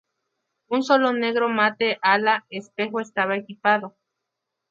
Un solo negro mate ala espejo estaba equipado.